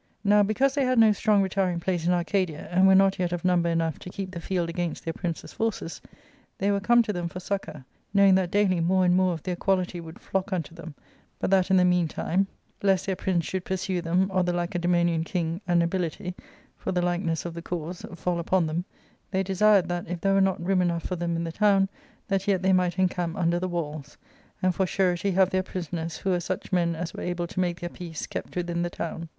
Now, because they had no strong retiring place in Arcadia, and were not yet of number enough to keep the field against their prince's forces, they were come to them for I succour ; knowing that daily more and more of their quality I would flock unto them, but that in the meantime, lest their ' prince should pursue them, or the Lacedaemonian king and nobility (for the likeness of the cause) fall upon them, they desired that if there were not room enough for them in the town, that yet they might encamp under the walls, and for surety have their prisoners, who were such men as were able to make their peace, kept within the town.